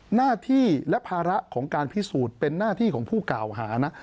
หน้าที่และภาระของการพิสูจน์เป็นหน้าที่ของผู้กล่าวหานะ